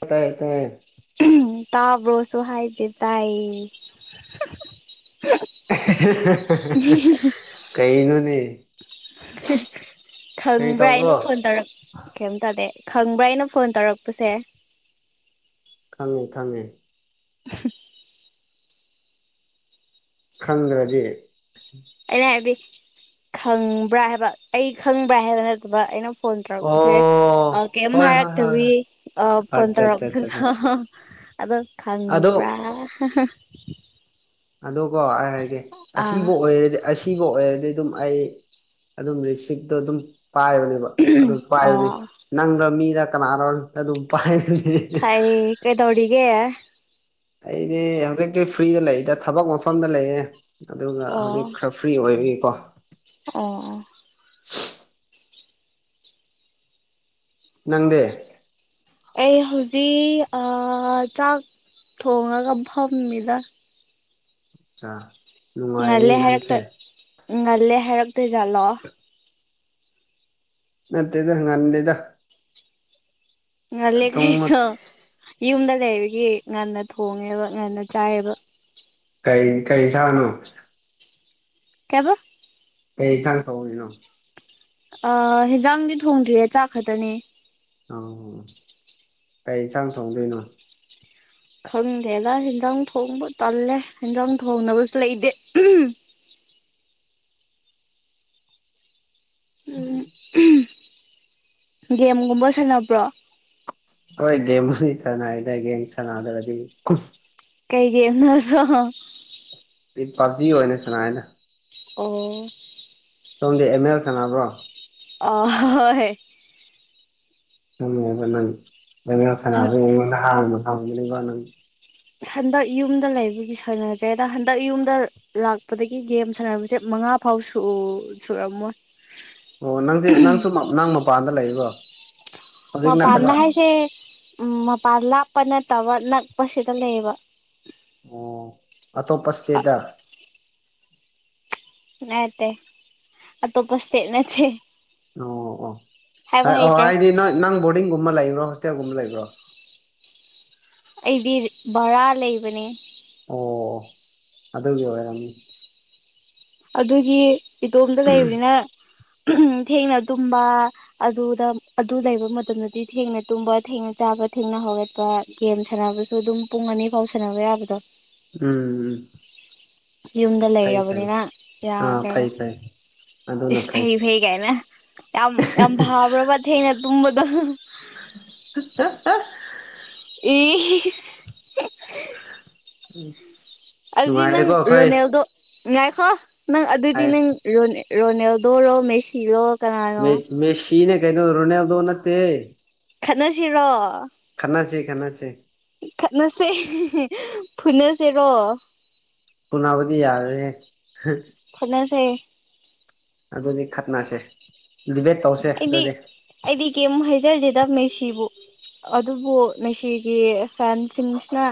ꯍꯇꯥ ꯇꯥꯏ ꯇꯥꯕ꯭ꯔꯣꯁꯨꯣ ꯍꯥꯏꯗꯤꯦ ꯇꯥꯏ ꯀꯩꯅꯅꯦ ꯈꯪꯕ꯭ꯔꯥ ꯇꯧꯕ꯭ꯔꯣ ꯑꯩꯅ ꯐꯣꯟ ꯇꯧꯔꯛ ꯀꯩꯝ ꯇꯥꯗꯦ ꯈꯪꯕ꯭ꯔꯥ ꯑꯩꯅ ꯐꯣꯟ ꯇꯧꯔꯛꯄꯁꯦ ꯈꯪꯉꯦ ꯈꯪꯉꯦ [inaudible] ꯈꯪꯗ꯭ꯔꯗꯤ ꯑꯩꯅ ꯍꯥꯏꯕꯗꯤ ꯈꯪꯕ꯭ꯔꯥ ꯍꯥꯏꯕ ꯑꯩ ꯈꯪꯕ꯭ꯔꯥ ꯍꯥꯏꯕ ꯅꯠꯇꯕ ꯑꯩꯅ ꯐꯣꯟ ꯇꯧꯔꯛꯄꯁꯦ ꯑꯣ ꯀꯩꯝ ꯍꯣꯏ ꯍꯣꯏ ꯍꯣꯏ ꯍꯥꯏꯔꯛꯇꯕꯤ ꯐꯣꯟ ꯑꯠꯆꯥ ꯑꯠꯆꯥ ꯑꯠꯆꯥ ꯑꯆꯥ ꯇꯧꯔꯛꯄꯗ ꯑꯗꯣ ꯑꯗꯣ ꯈꯪꯉꯕ꯭ꯔꯥ ꯑꯗ ꯀꯣ ꯑꯩ ꯍꯥꯏꯒꯦ ꯑꯥ ꯑꯁꯤꯕꯨ ꯑꯣꯏꯔꯗꯤ ꯁꯤꯕ ꯑꯣꯏꯔꯗꯤ ꯑꯗꯨꯝ ꯑꯩ ꯑꯗꯨꯝ ꯔꯤꯁꯤꯞꯇꯣ ꯑꯗꯨꯝ ꯄꯥꯏꯕꯅꯦꯕ ꯑꯗꯨ ꯑꯣ ꯄꯥꯏꯕꯅꯤ ꯅꯪꯗ ꯃꯤꯗ ꯀꯅꯥꯅꯣ ꯑꯗꯨ ꯑꯗꯨꯝ ꯄꯥꯏꯅꯤ ꯐꯩ ꯀꯩꯗꯧꯔꯤꯒꯦ ꯑꯩꯗꯤ ꯍꯧꯖꯤꯛꯇꯤ ꯐ꯭ꯔꯤꯗ ꯂꯩꯗ ꯊꯕꯛ ꯃꯐꯝꯗ ꯂꯩꯌꯦꯦ ꯑꯗꯨꯒ ꯍꯧꯖꯤꯛ ꯈꯔ ꯐ꯭ꯔꯤ ꯑꯣꯏꯔꯤꯀꯣ ꯑ [unintelligible] ꯅꯪꯗꯦ ꯑꯩ ꯍꯧꯖꯤꯛ ꯆꯥꯛ ꯊꯣꯡꯉꯒ ꯐꯝꯃꯤꯗ ꯑꯆꯥ ꯅꯨꯡꯉꯥꯏꯅꯦ ꯉꯜꯂꯦ ꯍꯥꯏꯔꯛꯇ ꯅꯪꯁꯦ ꯉꯜꯂꯦ ꯍꯥꯏꯔꯛꯇꯣꯏꯖꯥꯠꯂꯣ ꯅꯠꯇꯦꯗ ꯉꯅꯤꯦꯗ ꯑꯂꯦ ꯀꯥꯏꯣ ꯏꯟꯗꯗꯦ ꯍꯥꯏ ꯑꯗꯒꯤ ꯉꯟꯅ ꯊꯣꯡꯉꯦꯕ ꯉꯟꯅ ꯆꯥꯏꯑꯕ ꯀꯩ ꯀꯩ ꯆꯥꯅꯣ ꯀꯦꯕꯣ ꯀꯩ ꯏꯟꯊꯥꯡ ꯊꯧꯕꯃꯤꯅꯣ ꯑ ꯍꯦꯟꯖꯥꯡꯗꯤ ꯊꯣꯡꯗ꯭ꯔꯤꯦ ꯆꯥꯛ ꯈꯛꯇꯅꯦ ꯑ ꯀꯩ ꯏꯟꯁꯥꯡ ꯊꯣꯡꯗꯣꯏꯅꯣ ꯈꯪꯗꯦꯗ ꯌꯦꯟꯖꯥꯡ ꯊꯣꯡꯕ ꯇꯜꯂꯦ ꯍꯟꯖꯥꯡ ꯊꯣꯡꯅꯕꯁꯨ ꯂꯩꯇꯦ [unintelligible] ꯎꯝ ꯒꯦꯝꯒꯨꯝꯕ ꯁꯥꯟꯅꯕ꯭ꯔꯣ ꯍꯣꯏ ꯒꯦꯝ ꯁꯥꯟꯅꯏꯗꯒꯦꯝ ꯁꯥꯟꯅꯗ꯭ꯔꯗꯤ ꯀꯩꯒꯦꯦꯝ ꯅ ꯄꯞꯖꯤ ꯑꯣꯏꯅ ꯁꯅꯥ ꯍꯥꯏꯅ ꯑꯣ ꯁꯣꯝꯗꯤ ꯑꯦꯃꯦꯜ ꯁꯪꯉꯕ꯭ꯔꯣ ꯑ ꯍꯣꯏ ꯍꯣꯏ ꯍꯟ ꯁ ꯍꯟꯗꯛ ꯌꯨꯝꯗ ꯂꯩꯕꯒꯤ ꯁꯥꯟꯅꯗ꯭ꯔꯦꯗ ꯍꯟꯗꯛ ꯌꯨꯝꯗ ꯂꯥꯛꯄꯗꯒꯤ ꯒꯦꯝ ꯁꯥꯟꯅꯕꯁꯦ ꯃꯉꯥ ꯐꯥꯎ ꯁ ꯁꯨꯔꯝꯃꯣꯏ ꯑꯣ ꯅꯪꯁ ꯅꯪꯁꯨ ꯅꯪ ꯃꯄꯥꯟꯗ ꯂꯩꯕ꯭ꯔꯣ ꯃ ꯍꯧꯖꯤꯛ ꯅꯠꯇꯕ ꯄꯔꯅ ꯍꯥꯏꯁꯦ ꯎ ꯃ ꯄꯥ ꯂꯥꯞ ꯄ ꯅꯠꯇꯕ ꯅꯛꯄꯁꯤꯗ ꯂꯩꯕ ꯑꯣ ꯑꯇꯣꯞꯄ ꯏꯁꯇꯦꯠꯇ ꯑꯥꯏ ꯇ ꯑ ꯇꯣꯄꯁꯦ ꯅꯠꯇꯦ ꯑꯣ ꯍꯥꯏꯕ ꯑꯣ ꯑꯣ ꯍꯩꯇ꯭ꯔꯦ ꯍꯥꯏꯗꯤ ꯅ ꯅꯪ ꯕꯣꯔꯗꯤꯡꯒꯨꯝꯕ ꯂꯩ ꯍꯣ ꯍꯣꯁꯇꯌꯥꯦꯜꯒꯨꯝꯕ ꯂꯩꯕ꯭ꯔꯣ ꯑꯩꯗꯤ ꯕꯔꯥ ꯂꯩꯕꯅꯦ ꯑꯣ ꯑꯗꯨꯒꯤ ꯑꯣꯏꯔꯝꯅꯤ ꯑꯗꯨꯒꯤ ꯏꯗꯣꯝꯗ ꯂꯩꯕꯅꯤꯅ ꯊꯦꯡꯅ ꯇꯨꯝꯕ ꯑꯗꯨꯗ ꯑꯗꯨ ꯂꯩꯕ ꯃꯇꯝꯗꯗꯤ ꯊꯦꯡꯅ ꯇꯨꯝꯕ ꯊꯦꯡꯅ ꯆꯥꯕ ꯊꯦꯡꯅ ꯍꯧꯒꯠꯄ ꯒꯦꯝ ꯁꯥꯟꯅꯕꯁꯨ ꯑꯗꯨꯝ ꯄꯨꯡ ꯑꯅꯤ ꯐꯥꯎ ꯁꯥꯟꯅꯕ ꯌꯥꯕꯗꯣ ꯎꯝ ꯎꯝ ꯌꯨꯝꯗ ꯐꯩ ꯐꯩ ꯂꯩꯔꯕꯅꯤꯅ ꯑꯥ ꯌꯥꯗ꯭ꯔꯦꯕ ꯀꯩ ꯐꯥꯏ ꯏꯁ ꯐꯩ ꯐꯩ ꯀꯥꯏꯅ ꯌꯥꯝ ꯌꯥꯝ ꯥꯕ꯭ꯔꯕ ꯊꯦꯡꯅ ꯇꯨꯝꯕꯗꯣ ꯠꯇ [unintelligible] ꯏꯁ ꯎꯝ ꯑꯗꯨꯗꯤ ꯅꯪ ꯔꯣꯅꯦꯜꯗꯣ ꯉꯥꯏꯈꯣ ꯅꯪ ꯑꯗꯨꯗꯤ ꯍꯥꯏ ꯅꯪ ꯔꯣꯅꯦꯜꯗꯣꯔꯣ ꯃꯦꯁꯤꯔꯣ ꯃ ꯀꯅꯥꯅꯣ ꯃꯦꯁꯤꯅꯦ ꯀꯩꯅꯩꯅꯣ ꯔꯨꯅꯦꯗꯣꯅꯠꯇ ꯈꯠꯅꯁꯤꯔꯣ ꯈꯟꯅꯁꯤꯦ ꯈꯟꯅꯁꯤꯦ ꯈꯠꯅꯁꯦ ꯐꯨꯅꯁꯦꯔꯣ ꯄꯨꯅꯕꯗꯤ ꯌꯥꯔꯦ [unintelligible] ꯑꯗꯨꯗꯤ ꯈꯠꯅꯁꯦ ꯗꯤꯕꯦꯠ ꯇꯧꯁꯦ ꯑꯩꯗꯤ ꯑꯗꯨꯗꯤ ꯑꯩꯗꯤ ꯀꯦꯝꯃꯨꯛ ꯍꯥꯏꯖꯗꯦꯗ ꯃꯦꯁꯤꯕꯨ ꯑꯗꯨꯕꯨ ꯉꯁꯤꯒꯤ ꯐꯦꯟꯁꯤꯡꯁꯤꯅ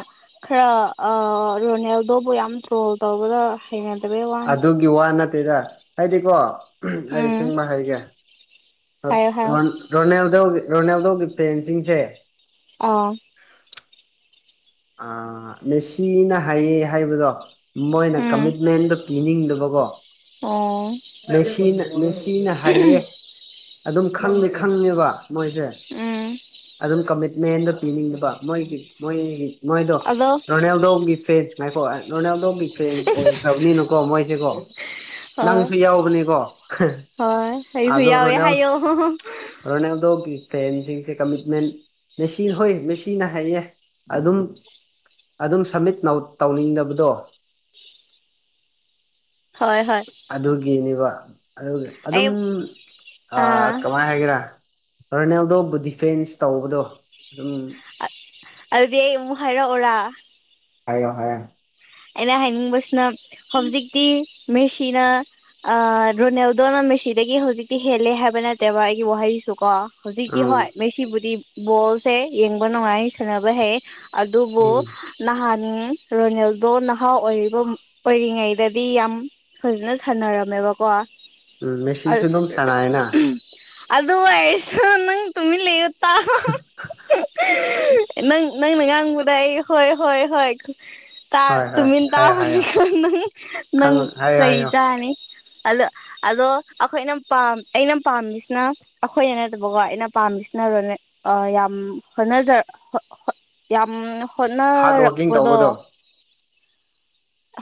ꯈꯔ ꯔꯣꯅꯤꯜ ꯑꯗꯨꯕꯨ ꯌꯥꯝ ꯇ꯭ꯔꯣꯜ ꯇꯧꯕꯗ ꯍꯩꯅ ꯑꯗꯨꯒꯤ ꯋꯥ ꯅꯠꯇꯦꯗ ꯍꯥꯏꯗꯤꯀꯣ ꯎꯝ ꯑꯩꯁꯤꯡꯕ ꯍꯩꯒꯦ ꯍꯥꯏꯌꯣ ꯍꯥꯏꯌꯣ ꯔꯣꯅꯥꯜꯗꯣꯒꯤ ꯔꯣꯅꯥꯜꯗꯣꯒꯤ ꯐꯦꯟꯁꯤꯡꯁꯦ ꯑꯥ ꯑ ꯃꯦꯁꯤꯅ ꯍꯥꯏꯌꯦ ꯍꯥꯏꯕꯗꯣ ꯃꯣꯏꯅ ꯀꯃꯤꯠꯃꯦꯟꯗꯣ ꯄꯤꯅꯤꯡꯗꯕ ꯑꯗꯨꯒꯣ ꯑ ꯁꯤꯅ ꯍꯥꯏꯌꯦ ꯑꯗꯨꯝ ꯈꯪꯗꯦ ꯈꯪꯉꯦꯕ ꯃꯣꯏꯁꯦ ꯎꯝ ꯑꯗꯨꯝ ꯀꯃꯤꯠꯃꯦꯟꯗ ꯄꯤꯅꯤꯡꯉꯕ ꯃꯣꯏꯒꯤ ꯃꯣꯏꯒꯤ ꯅꯣꯏꯗ ꯑꯗꯣ ꯔꯣꯅꯦꯜꯗꯣꯒꯤ ꯐꯦꯠ ꯉꯥꯏꯀꯣ ꯔꯣꯅꯦꯜꯗꯣ ꯐ꯭ꯔꯦꯟꯁ ꯑꯣꯏꯈ꯭ꯔꯕꯅꯤꯅꯀꯣ ꯃꯣꯏꯁꯦꯀꯣ ꯍꯣꯏ ꯅꯪꯁꯨ ꯌꯥꯎꯕꯅꯦꯀꯣ ꯍꯣꯏ ꯑꯩꯁꯨ ꯌꯥꯎꯋꯦ ꯍꯥꯏꯌꯣ ꯐꯔꯅꯦꯗꯣꯀꯤꯦ ꯐꯦꯟꯁꯤꯡꯁꯦ ꯀꯃꯤꯠꯃꯦꯟ ꯃꯁꯤꯦ ꯍꯣꯏ ꯃꯁꯤꯦꯅ ꯍꯥꯏꯌꯦ ꯑꯗꯨꯝ ꯑꯗꯨꯝ ꯁꯝꯃꯤꯠ ꯇꯧꯅꯤꯡꯗꯕꯗꯣ ꯍꯣꯏ ꯑꯗꯨꯒꯤꯅꯦꯕ ꯑꯗꯨꯒꯤ ꯑꯩ ꯑꯗꯨꯝ ꯑꯥ ꯀꯃꯥꯏꯅ ꯍꯥꯏꯒꯦꯔꯥ ꯔꯔꯅꯦꯜꯗꯣꯕꯨ ꯗꯤꯐꯦꯟꯁ ꯇꯧꯕꯗꯣ ꯑꯗꯨꯝ ꯑꯗꯨꯗꯤ ꯑꯩ ꯑꯃꯨꯛ ꯍꯥꯏꯔꯛꯑꯣꯔꯥ ꯍꯥꯏꯌꯣ ꯍꯥꯏꯌꯦ ꯑꯦꯩꯅ ꯍꯥꯏꯃꯡ ꯁꯅ ꯁꯕꯖꯤꯛꯇ ꯃꯦꯁꯤꯅ ꯔꯣꯅꯦꯜꯗꯣꯅ ꯃꯦꯁꯤꯗꯒꯤ ꯍꯧꯖꯤꯛꯇꯤ ꯍꯦꯜꯂꯦ ꯍꯥꯏꯕ ꯅꯠꯇꯦꯕ ꯑꯩꯒꯤ ꯋꯥꯍꯩꯁꯨ ꯀꯣ ꯍꯧꯖꯤꯛꯇꯤ ꯎꯝ ꯍꯣꯏ ꯉꯩꯁꯤꯕꯨꯗꯤ ꯕꯣꯜꯁꯦ ꯌꯦꯡꯕ ꯅꯨꯡꯉꯥꯏ ꯁꯥꯟꯅꯕ ꯍꯩ ꯑꯗꯨꯕꯨ ꯎꯝ ꯅꯍꯥꯟ ꯔꯣꯅꯤꯜ ꯑꯗꯣ ꯅꯍꯥ ꯑꯣꯏꯔꯤꯕ ꯑꯣꯏꯔꯤꯉꯩꯗꯗꯤ ꯌꯥꯝ ꯐꯖꯅ ꯁꯥꯟꯅꯔꯝꯃꯦꯕꯀꯣ ꯎꯝ ꯃꯦꯁꯤꯁꯨ ꯑꯗꯨꯝ ꯁꯥꯟꯅꯩꯅ ꯑꯗ ꯑꯁ ꯅꯪ ꯇꯃꯤ ꯂꯩ ꯅꯪ ꯅꯪꯅ ꯉꯥꯡꯕꯗ ꯏ ꯍꯣꯏ ꯍꯣꯏ ꯍꯣꯏ ꯇꯥ ꯍꯣꯏ ꯍꯣꯏ ꯇꯃꯤ ꯍꯥꯏꯌꯣ ꯇꯥꯕ ꯍꯥꯏꯌꯣ ꯅꯪ ꯅꯪ ꯈꯪ ꯍꯥꯏꯌꯣ ꯆꯍꯤ ꯍꯥꯏꯌꯣ ꯆ ꯑꯅꯤ ꯑꯗ ꯑꯗꯣ ꯑꯩꯈꯣꯏꯅ ꯄꯝ ꯑꯩꯅ ꯄꯥꯝꯃꯤꯁꯤꯅ ꯑꯩꯈꯣꯏꯅ ꯅꯠꯇꯕꯀꯣ ꯑꯩꯅ ꯄꯥꯝꯃꯤꯁꯤ ꯀꯅꯔꯣ ꯌꯥꯝ ꯍꯣꯠꯅꯖ ꯌꯥꯝ ꯍꯥꯔꯗ ꯋꯥꯔꯀꯤꯡ ꯍꯣꯠꯅꯔꯛꯄꯗꯣ ꯇꯧꯕꯗꯣ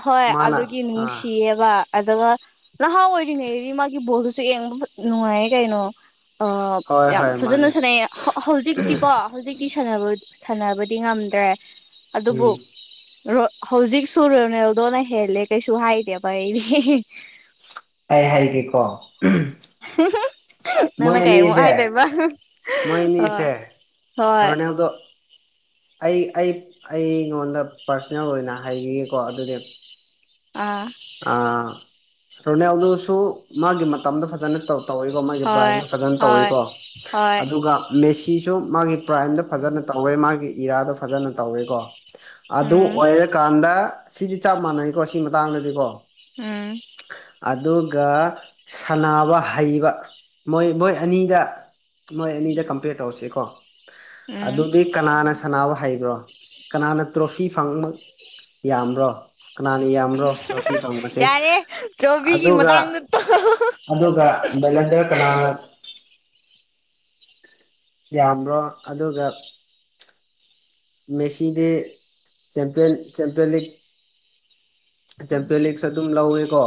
ꯍꯣꯏ ꯃꯥꯅ ꯑꯗꯨꯒꯤ ꯑꯥ ꯅꯨꯡꯁꯤꯌꯦꯕ ꯑꯗꯨꯒ ꯅꯍꯥ ꯑꯣꯏꯔꯤꯉꯩꯗꯤ ꯃꯥꯒꯤ ꯕꯣꯗꯨꯁꯨ ꯌꯦꯡꯕ ꯅꯨꯡꯉꯥꯏꯌꯦ ꯀꯩꯅꯣ ꯑ ꯍꯣꯏ ꯌꯥꯝ ꯍꯣꯏ ꯐꯖꯅ ꯃꯥꯅꯦ ꯁꯥꯟꯅꯩꯌꯦ ꯍꯧꯖꯤꯛꯇꯤꯀꯣ ꯍꯧꯖꯤꯛꯇꯤ ꯁꯥꯟꯅꯕ ꯁꯥꯟꯅꯕꯗꯤ ꯉꯝꯗ꯭ꯔꯦ ꯑꯗꯨꯕꯨ ꯎꯝ ꯔꯣꯠ ꯍꯧꯖꯤꯛ ꯁꯨꯔꯅꯦꯗꯣꯅ ꯍꯦꯜꯂꯦ ꯀꯩꯁꯨ ꯍꯥꯏꯗꯦꯕ ꯑꯩꯗꯤ ꯑꯩ ꯍꯥꯏꯒꯦꯀꯣ ꯅꯪꯅ ꯀꯩꯃꯨꯛ ꯃꯣꯏꯅꯤꯁꯦ ꯍꯥꯏꯗꯣꯏꯕ ꯃꯣꯏꯅꯤꯁꯦ ꯍꯣꯏ ꯍꯣꯏ ꯍꯔꯣꯅꯦꯗꯣ ꯑꯩ ꯑꯩ ꯑꯩꯉꯣꯟꯗ ꯄꯥꯔꯁꯣꯅꯦꯜ ꯑꯣꯏꯅ ꯍꯥꯏꯈꯤꯒꯦꯀꯣ ꯑꯗꯨꯗꯤ ꯑꯥ ꯑ ꯔꯣꯅꯦꯜꯗꯨꯁꯨ ꯃꯥꯒꯤ ꯃꯇꯝꯗꯣ ꯐꯖꯅ ꯇꯧ ꯇꯒꯤ ꯕ꯭ꯔꯥꯏ ꯍꯣꯏ ꯐꯖꯅ ꯍꯣꯏ ꯇꯧꯋꯀꯣ ꯍꯣꯏ ꯑꯗꯨꯒ ꯁꯨ ꯃꯥꯒꯤ ꯄ꯭ꯔꯥꯏꯝꯗ ꯐꯖꯅ ꯇꯧꯋꯦ ꯃꯥꯒꯤ ꯏꯔꯥꯗ ꯐꯖꯅ ꯇꯧꯋꯦꯀꯣ ꯑꯗꯨ ꯎꯝ ꯑꯣꯏꯔꯀꯥꯟꯗ ꯁꯤꯗꯤ ꯆꯞ ꯃꯥꯟꯅꯩꯀꯣ ꯁꯤ ꯃꯇꯥꯡꯗꯗꯤꯀꯣ ꯎꯝ ꯑꯗꯨꯒ ꯁꯅꯕ ꯍꯩꯕ ꯃꯣꯏ ꯃꯣꯏ ꯑꯅꯤꯗ ꯃꯣꯏ ꯑꯅꯤꯗ ꯀꯝꯄꯦꯌꯔ ꯇꯧꯔꯁꯤꯦꯀꯣ ꯎꯝ ꯑꯗꯨꯗꯤ ꯀꯅꯥꯅ ꯁꯥꯟꯅꯕ ꯍꯥꯏꯩꯕ꯭ꯔꯣ ꯀꯅꯥꯅ ꯇ꯭ꯔꯣꯐꯤ ꯐꯪꯕ ꯌꯥꯝꯕ꯭ꯔꯣ ꯀꯅꯥꯅ ꯌꯥꯝꯕ꯭ꯔꯣ ꯇ꯭ꯔꯣꯐꯤ ꯐꯪꯉꯁꯦ ꯌꯥꯔꯦ ꯆꯣꯕꯤꯒꯤ ꯑꯗꯨꯒ ꯃꯇꯥꯡꯗ ꯇꯣꯛꯑꯣ ꯑꯗꯨꯒ ꯚꯦꯂꯦꯟꯗꯔ ꯀꯅꯥꯅ [unintelligible] [inaudible] [unintelligible] [inaudible] ꯌꯥꯝꯕ꯭ꯔꯣ ꯑꯗꯨꯒ ꯃꯦꯁꯤꯗ ꯆꯄꯤꯟ ꯆꯦꯝꯄꯤꯌꯟ ꯂꯤꯛ ꯖꯦꯝꯄꯦꯜ ꯂꯤꯛꯁ ꯑꯗꯨꯝ ꯂꯧꯋꯦꯀꯣ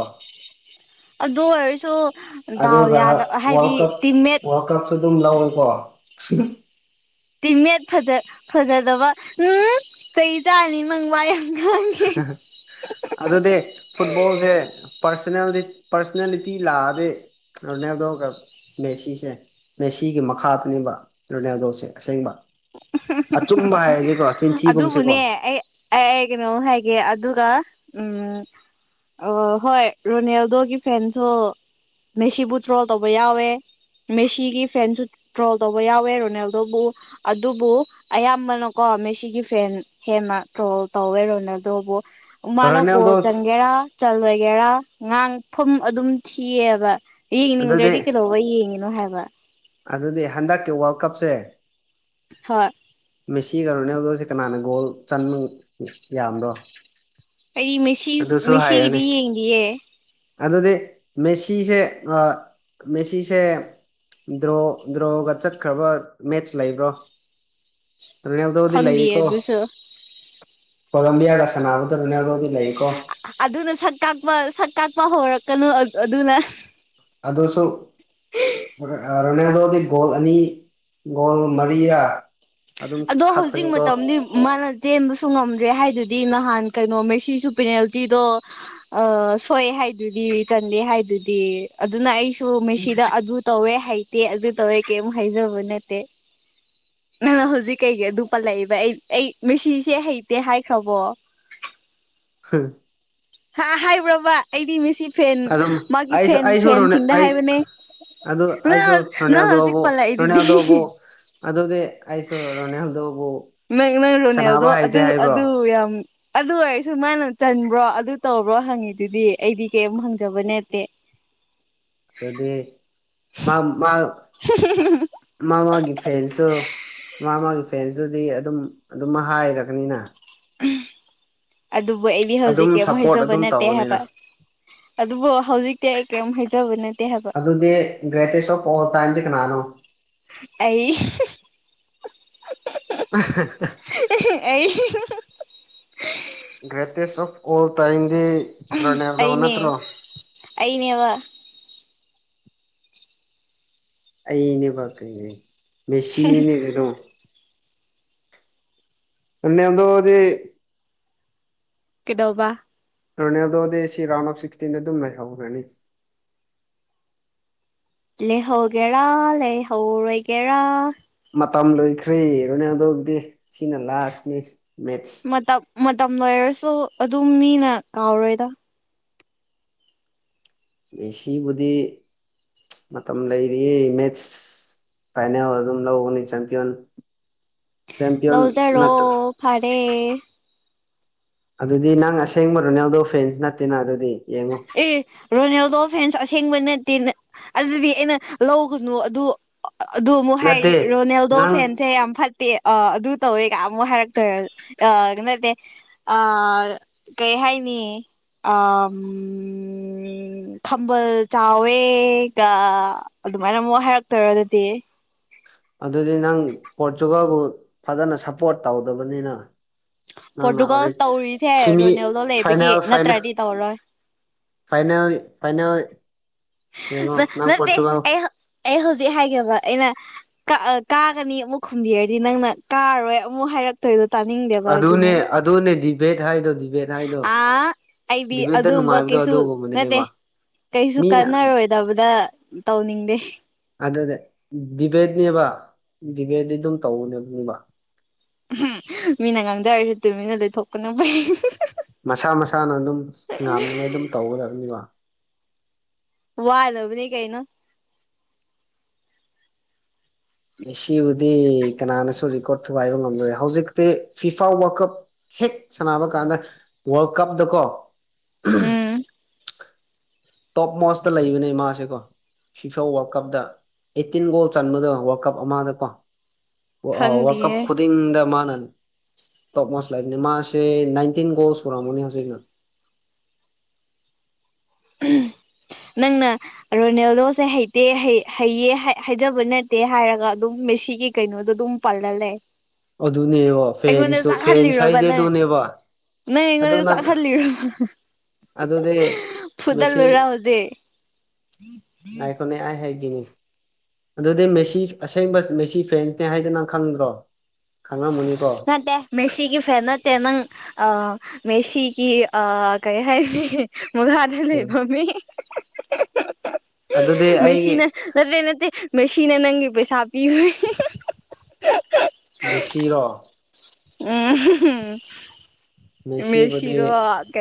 [unintelligible] [inaudible] ꯑꯗꯨ ꯑꯣꯏꯔꯁꯨ ꯗꯥꯎ ꯑꯗꯨꯒ ꯌꯥꯗ ꯍꯥꯏꯗꯤ ꯋꯥꯔꯜ ꯀꯞ ꯇꯤꯃꯦꯠ ꯁꯤꯔꯤ ꯇꯤꯃꯦꯠ ꯐꯖꯗꯕ ꯎꯝ ꯆꯍꯤ ꯆꯥꯅꯤ ꯃꯪ ꯋꯥꯏ ꯌꯥꯝ ꯉꯥꯡꯉꯦ ꯑꯗꯨꯗꯤ ꯐꯨꯠꯕꯣꯜꯁꯦ ꯄꯥꯔꯁꯣꯅꯦꯜꯗꯤ ꯄꯔꯁꯅꯂꯤꯤꯇꯤ ꯂꯥꯛꯗꯦ ꯑꯅꯦꯗꯣ ꯃꯦꯁꯤꯁꯦ ꯃꯦꯁꯤꯒꯤ ꯃꯈꯥꯗꯅꯦꯕ ꯔꯣꯅꯦꯜꯗꯣꯁꯦ ꯑꯁꯦꯡꯕ ꯑ ꯆꯨꯝꯕꯥ ꯍꯥꯏ ꯑꯗꯨꯕꯨꯅꯦ ꯑꯩ ꯑꯩ ꯑꯩ ꯀꯩꯅꯣ ꯍꯥꯏꯒꯦ ꯑꯗꯨꯒ ꯎꯝ ꯑ ꯍꯣꯏ ꯔꯣꯅꯦꯜꯗꯣꯒꯤ ꯐꯦꯟꯁꯨ ꯃꯦꯁꯤꯕꯨ ꯇ꯭ꯔꯣ ꯇꯧꯕ ꯌꯥꯎꯋꯦ ꯃꯦꯁꯤꯒꯤ ꯐꯦꯟꯁꯨ ꯗ꯭ꯔꯣꯜ ꯇꯧꯕ ꯌꯥꯎꯋꯦ ꯔꯣꯅꯦꯜꯗꯣꯕꯨ ꯑꯗꯨꯕꯨ ꯑꯌꯥꯝꯕꯅꯀꯣ ꯃꯦꯁꯤ ꯒꯤ ꯐꯦꯟ ꯍꯦꯟꯅ ꯇ꯭ꯔꯣꯜ ꯇꯧꯋꯦꯔꯣꯅ ꯑꯗꯨꯕꯨ ꯃꯥꯅꯣ ꯀꯣ ꯔꯣꯅꯦꯜꯗꯣ ꯆꯪꯒꯦꯔꯥ ꯆꯂ ꯒꯦꯔꯥ ꯉꯥꯡꯐꯝ ꯑꯗꯨꯝ ꯊꯤꯌꯦꯕ ꯑꯗꯨꯗꯤ ꯌꯦꯡꯅꯤꯡꯗ꯭ꯔꯗꯤ ꯀꯩꯗꯧꯕ ꯌꯦꯡꯉꯤꯅꯣ ꯍꯥꯏꯕ ꯑꯗꯨꯗꯤ ꯍꯟꯗꯛꯀꯤ ꯋꯥꯔꯜ ꯀꯞꯁꯦ ꯍꯣꯏ ꯃꯦꯁꯤꯒꯩꯅꯣꯅꯦꯕꯗꯣ ꯀꯅꯥꯅ ꯒꯣꯜ ꯆꯟꯕ ꯌꯥꯝꯕ꯭ꯔꯣ ꯑꯩ ꯃꯦꯁꯤ ꯑꯗꯨꯁꯨ ꯍꯥꯏꯌꯨꯅꯦ ꯃꯦꯁꯤꯒꯤꯗꯤ ꯌꯦꯡꯗꯤꯌꯦ ꯑꯗꯨꯗꯤ ꯃꯦꯁꯤꯁꯦ ꯑ ꯃꯦꯁꯤꯁꯦ ꯗ꯭ꯔꯣ ꯗ꯭ꯔꯣꯒ ꯆꯠꯈ꯭ꯔꯕ ꯃꯦꯠꯆ ꯂꯩꯕ꯭ꯔꯣ ꯔꯣꯅꯥꯜꯗꯣꯗꯤ ꯈꯪꯗꯤꯌꯦ ꯂꯩꯀꯣ ꯑꯗꯨꯁꯨ ꯀꯥꯂꯝꯕꯤꯌꯥꯒꯥ ꯁꯅꯕꯗ ꯔꯣꯅꯥꯜ ꯗꯣꯗꯤ ꯑꯗꯨꯅ ꯁꯛ ꯀꯥꯛꯄ ꯁꯛ ꯀꯥꯛꯄ ꯍꯧꯔꯛꯀꯅꯨ ꯑꯗꯨꯅ ꯔꯣꯅꯜꯗꯣꯗꯤ ꯒꯣꯜ ꯑꯅꯤ ꯒꯣꯜ ꯃꯔꯤꯌꯥ ꯑꯗꯣ ꯍꯧꯖꯤꯛ ꯃꯇꯝꯗꯤ ꯃꯥꯅ ꯆꯦꯟꯕꯁꯨ ꯉꯝꯗ꯭ꯔꯦ ꯍꯥꯏꯗꯨꯗꯤ ꯅꯍꯥꯟ ꯀꯩꯅꯣꯃꯦ ꯁꯤꯁꯨ ꯄꯦꯅꯥꯜꯇꯤꯗꯣ ꯁꯣꯛꯑꯦ ꯍꯥꯏꯗꯨꯗꯤ ꯆꯟꯗꯦ ꯍꯥꯏ ꯑꯗꯨꯗꯤ ꯑꯗꯨꯅ ꯑꯩ ꯁꯨ ꯃꯦꯁꯤꯗ ꯑꯗꯨ ꯇꯧꯋꯦ ꯍꯥꯏꯇꯦ ꯑꯗꯨ ꯇꯧꯋꯦ ꯀꯩꯝ ꯍꯥꯏꯖꯕ ꯅꯠꯇꯦ ꯅꯪꯅ ꯍꯧꯖꯤꯛ ꯀꯩꯒꯤ ꯑꯗꯨ ꯄꯜꯂꯛꯏꯕ ꯑꯩ ꯑꯩ ꯃꯦꯁꯤꯁꯦ ꯍꯩꯇꯦ ꯍꯥꯏꯈ꯭ꯔꯕꯣ [unintelligible] [inaudible] ꯍꯝ ꯍꯥ ꯍꯥꯏꯕ꯭ꯔꯕ ꯑꯩꯗꯤ ꯃꯦꯁꯤ ꯐꯦꯟ ꯑꯗꯨꯝ ꯃꯥꯒꯤ ꯑꯩꯁꯨ ꯐꯦꯟ ꯑꯩꯁꯨ ꯔꯣꯅꯦ ꯐꯦꯟꯁꯤꯡꯗ ꯑꯩ ꯍꯥꯏꯕꯅꯦ ꯑꯗꯨ ꯑꯁꯨ ꯅꯪ ꯅꯪ ꯍꯧꯖꯤꯛ ꯔꯣꯅꯥꯜꯗꯣꯕꯨ ꯔꯣꯅꯥꯜꯗꯣꯕꯨ ꯄꯜꯂꯛꯏꯗꯨꯗꯤ ꯑꯗꯨꯗꯤ ꯑꯩꯁꯣ ꯔꯣꯅꯥꯜꯗꯣꯕꯨ ꯅꯪꯅꯪ ꯔꯣꯅꯥꯜꯗꯣ ꯑꯗꯨ ꯑꯗꯨ ꯌꯥꯝ ꯑꯗꯨ ꯑꯣꯏꯔꯁꯨ ꯃꯥꯅ ꯆꯟꯕ꯭ꯔꯣ ꯑꯗꯨ ꯇꯧꯕ꯭ꯔꯣ ꯍꯪꯉꯤꯗꯨꯗꯤ ꯑꯩꯗꯤ ꯀꯩꯝ ꯍꯪꯖꯕꯅꯦꯠꯇꯦ ꯐꯖꯗꯦꯍꯦ ꯃꯥꯃꯥ ꯃꯥꯃꯥꯒꯤ ꯐꯦꯟꯁꯨ ꯃꯥꯃꯥꯒꯤ ꯐꯦꯟꯇꯗꯤ ꯑꯗꯨꯝ ꯑꯗꯨꯝ ꯍꯥꯏꯔꯒꯅꯤꯅ ꯎꯝ ꯑꯗꯨꯕꯨ ꯑꯩꯗꯤ ꯍꯧꯖꯤꯛꯀꯤ ꯑꯗꯨꯝ ꯑꯃꯨꯛ ꯁꯞꯄꯣꯔꯠ ꯍꯩꯖꯕ ꯑꯗꯨꯝ ꯅꯠꯇꯦ ꯍꯥꯏꯕ ꯇꯧꯒꯅꯤꯅ ꯑꯗꯨꯕꯨ ꯍꯧꯖꯤꯛꯇꯤ ꯀꯦꯝ ꯍꯥꯏꯖꯕ ꯅꯠ ꯑꯗꯨꯗꯤ ꯒ꯭ꯔ‌ꯦꯇꯦꯇ‌ꯦꯁ ꯑ‌ꯦꯞ ꯄꯥꯋꯥꯔ ꯇꯥꯏꯝꯗꯤ ꯀꯅꯥꯅꯣ ꯑꯩ ꯑꯩ ꯒ꯭ꯔꯦꯇꯦꯁ ꯑꯣꯐ ꯑꯣꯜ ꯇꯥꯏꯝ ꯑꯩꯅꯦ ꯑꯩꯅꯦꯕ ꯑꯩꯅꯦꯕ ꯀꯩꯅꯦ ꯃꯦꯁꯤꯅꯤꯅꯦ ꯀꯩꯅꯣ ꯔꯣꯅꯥꯜꯗꯣꯗꯤ ꯀꯗꯧꯕ ꯔꯣꯅꯥꯜꯗꯣꯗꯤ ꯁꯤ ꯔꯥꯎꯟ ꯑꯣꯐ ꯁꯤꯛꯁꯇꯤꯟꯗ ꯑꯗꯨꯝ ꯂꯩꯍꯧꯈ꯭ꯔꯥꯅꯤ ꯂꯩꯍꯧꯒꯦꯔ ꯂꯩꯍꯧ ꯔ‌ꯣꯏꯒꯦꯔ ꯃꯇꯝ ꯂꯣꯏꯈ꯭ꯔꯦ ꯔꯣꯅꯥꯜꯗꯣ ꯒꯤꯗꯤ ꯁꯤꯅ ꯂꯥꯁꯅꯤ ꯃꯦꯠꯁ ꯃꯇꯝ ꯃꯇꯝ ꯂꯣꯏꯔꯁꯨ ꯑꯗꯨꯝ ꯃꯤꯅ ꯀꯥꯎꯔꯣꯏꯗ ꯃꯦꯁꯤꯕꯨꯗꯤ ꯃꯇꯝ ꯂꯩꯔꯤꯌꯦ ꯃꯦꯠꯁ ꯐꯥꯏꯅꯦꯜ ꯑꯗꯨꯝ ꯂꯧꯒꯅꯤ ꯆꯦꯝꯄꯤꯌꯟ ꯆꯦꯝꯄꯤꯌꯟ ꯅꯠꯇ꯭ꯔ ꯂꯧꯖꯥꯔꯣ ꯐꯔꯦ ꯑꯗꯨꯗꯤ ꯅꯪ ꯑꯁꯦꯡꯕ ꯔꯣꯅꯦꯜꯗꯣ ꯐ‌ꯦꯟꯁ ꯅꯠꯇꯦꯅ ꯑꯗꯨꯗꯤ ꯌꯦꯡꯉꯣ ꯑꯦ ꯔꯣꯅꯦꯜꯗꯣ ꯐꯦꯟꯁ ꯑꯥꯁ‌ꯦꯡ ꯊꯦꯡꯕ ꯅꯠꯇꯦꯅ ꯑꯗꯨꯗꯤ ꯑꯩꯅ ꯂꯧꯒꯅꯨ ꯑꯗꯨ ꯑꯗꯨ ꯑꯃꯨꯛ ꯍꯥꯏꯔꯤ ꯅꯠꯇꯦ ꯔꯣꯅꯦꯜꯗꯣ ꯅꯪ ꯐꯦꯟꯁꯦ ꯌꯥꯝ ꯐꯠꯇꯦ ꯑ ꯑꯗꯨ ꯇꯧꯋꯦꯒ ꯑꯃꯨꯛ ꯍꯥꯏꯔꯛꯇꯣꯏꯔ ꯑꯗꯨ ꯅꯠꯇꯦ ꯑꯥ ꯀꯩ ꯍꯥꯏꯅꯤ ꯑꯥꯝ ꯎꯝ ꯈꯝꯕꯜ ꯆꯥꯎꯋꯦꯒ ꯑꯗꯨꯃꯥꯏꯅ ꯑꯃꯨꯛ ꯍꯥꯏꯔꯛꯇꯣꯏꯔ ꯑꯗꯨꯗꯤ ꯑꯗꯨꯗꯤ ꯅꯪ ꯄꯣꯔꯆꯇꯨꯒꯜꯕꯨ ꯐꯖꯅ ꯁꯞꯄꯣꯔꯠ ꯇꯧꯗꯕꯅꯤꯅ ꯅꯪꯅꯥ ꯄꯣꯔꯇꯨꯒꯜ ꯍꯧꯖꯤꯛ ꯇꯧꯔꯤꯁꯦ ꯁꯤꯃꯤ ꯔꯣꯅꯦꯜꯗꯣ ꯂꯩꯕꯒꯤ ꯐꯥꯏꯅꯦꯜ ꯐꯥꯏꯅ‌ꯦꯜ ꯅꯠꯇ꯭ꯔꯗꯤ ꯇꯧꯔꯣꯏ ꯐꯥꯏꯅꯥꯜ ꯐꯥꯏꯅꯥꯜ ꯅꯠꯇꯦ ꯑꯩ ꯑꯩ ꯍꯧꯖꯤꯛ ꯍꯥꯏꯒꯦꯕ ꯑꯩꯅ ꯀꯥꯒꯅꯤ ꯑꯃꯨꯛ ꯈꯨꯝꯕꯤꯔꯗꯤ ꯅꯪꯅ ꯀꯥꯔꯣꯏ ꯑꯃꯨꯛ ꯍꯥꯏꯔꯛꯇꯣꯏꯗ ꯑꯗꯨꯅꯦ ꯑꯗꯨꯅꯦ ꯗꯤꯕꯦꯠ ꯍꯥꯏꯗ ꯗꯤꯕꯦꯠ ꯍꯥꯏꯗꯣ ꯑꯥ ꯑꯩꯗꯤ ꯗꯤꯕꯦꯠꯇ ꯑꯗꯨꯝꯕ ꯅꯨꯡꯉꯥꯏꯕꯗꯣ ꯀꯩꯁꯨ ꯅꯠꯇꯦ ꯑꯗꯨꯒꯨꯝꯕꯗꯨꯅꯦꯕ ꯀꯩꯁꯨ ꯃꯤꯅ ꯀꯠꯅꯔꯣꯏꯗꯕꯗ ꯇꯧꯅꯤꯡꯉ ꯑꯗꯨꯅꯦ ꯗꯤꯕꯦꯠꯅꯦꯕ ꯗꯤꯕꯦꯠꯇꯤ ꯑꯗꯨꯝ ꯇꯧꯅꯦꯕꯕ ꯎꯝ ꯃꯤꯅ ꯉꯥꯡꯗꯔꯁꯤ ꯑꯗꯨ ꯃꯤꯅ ꯂꯩꯊꯣꯛꯄꯅꯦ ꯃꯩ ꯃꯁꯥ ꯃꯁꯥꯅ ꯑꯗꯨꯝ ꯉꯥꯝꯅꯤꯉꯥꯏ ꯑꯗꯨꯝ ꯇꯧꯒꯗꯕꯅꯤꯕ ꯋꯥꯗꯕ ꯅ ꯀꯥꯏꯅꯣ ꯁꯤꯕꯨꯗꯤ ꯀꯅꯥꯅꯁꯨ ꯔꯦꯀꯣꯔꯠ ꯊꯨꯒꯥꯏꯕ ꯉꯝꯂꯔꯦ ꯍꯧꯖꯤꯛꯇꯤ ꯐꯤꯐꯥ ꯋꯥꯔꯀꯞ ꯍꯦꯛ ꯁꯥꯟꯅꯕ ꯀꯥꯟꯗ ꯋꯥꯔꯜ ꯀꯞꯇꯀꯣ ꯎꯝ ꯇꯣꯞ ꯃꯣꯁꯇ ꯂꯩꯕꯅꯦ ꯏ ꯃꯥꯥꯁꯦꯀꯣ ꯐꯤꯐꯣ ꯋꯥꯔꯜ ꯀꯞꯇ ꯑꯩꯠꯇꯤꯟ ꯒꯣꯜ ꯆꯟꯕꯗꯣ ꯋꯥꯔꯜ ꯀꯞ ꯑꯃꯗꯀꯣ ꯋꯥꯔ ꯀꯞ ꯈꯪꯗꯤꯌꯦ ꯈꯨꯗꯤꯡꯗ ꯃꯥꯅ ꯇꯣꯞ ꯃꯁ ꯂꯥꯏꯐꯅꯦ ꯃꯥ ꯅꯅꯥꯟꯇꯤꯟ ꯣꯜꯁ ꯍꯣꯔꯛꯃꯅꯤ ꯍꯧꯖꯤꯛ [unintelligible] ꯎꯝ ꯅꯪꯅ ꯔꯣꯅꯦꯜꯗꯣꯁꯦ ꯍꯩꯇꯦ ꯍꯩ ꯍꯩꯌꯦ ꯍꯥꯏ ꯍꯥꯏꯖꯕ ꯅꯠꯇꯦ ꯍꯥꯏꯔꯒ ꯑꯗꯨꯝ ꯃꯦꯁ ꯁꯤꯒꯤ ꯀꯩꯅꯣꯗꯣ ꯑꯗꯨꯝ ꯄꯜꯂ ꯂꯩ ꯑꯗꯨꯅꯦꯕꯥ ꯑꯩꯉꯣꯟꯗ ꯐꯦꯟꯁꯇꯣ ꯐꯦꯟꯁ ꯆꯥꯛꯍꯜꯂꯤꯔꯣꯕ ꯍꯥꯏꯖꯦ ꯅꯪ ꯑꯗꯨꯅꯦꯕꯥ ꯅꯪ ꯑꯩꯉꯣꯟꯗꯥ ꯆꯥꯛꯍꯜꯂꯤꯔꯣ ꯑꯗꯨꯗꯤ ꯃꯦꯁꯤ ꯐꯨꯗꯠꯂꯨꯔꯥ ꯍꯧꯖꯤꯛ ꯉꯥꯏꯈꯣꯅꯦ ꯑꯩ ꯍꯥꯏ ꯎꯝ ꯑꯗꯨꯗꯤ ꯃꯦꯁꯤ ꯑꯁꯦꯡꯕ ꯃꯦꯁꯤ ꯐ꯭ꯔꯦꯟꯁꯅꯦ ꯍꯥꯏꯗꯣ ꯅꯪ ꯈꯪꯗ꯭ꯔꯣ ꯈꯡꯉꯝꯃꯨꯅꯤ ꯅꯠꯇꯦ ꯃꯦꯁꯤꯒꯤ ꯐꯦꯟ ꯅꯠꯇꯦ ꯅꯪ ꯑ ꯃꯦꯁꯤꯒꯤ ꯑ ꯀꯔꯤ ꯍꯥꯏꯁꯤꯒꯦ ꯃꯨꯂꯥꯗ ꯑꯦ ꯂꯩꯕ ꯃꯤ ꯑꯗꯨꯗꯤ ꯃꯦꯁꯤ ꯑꯩꯒꯤ ꯅ ꯅꯠꯇꯦ ꯅꯠꯇꯦ ꯃꯦꯁꯤ ꯁꯤꯅ ꯅꯪꯒꯤ ꯄꯩꯁꯥ ꯄꯤꯔꯦ [unintelligible] ꯃꯦꯁꯤꯔꯣ ꯎꯝ ꯃꯦꯁꯤꯕꯨꯗꯤ ꯃꯦꯁꯤꯔꯣ ꯀꯩ